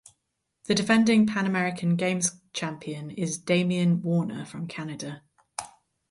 The defending Pan American Games champion is Damian Warner from Canada.